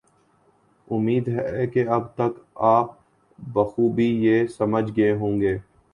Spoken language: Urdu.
امید ہے کہ اب تک آپ بخوبی یہ سمجھ گئے ہوں گے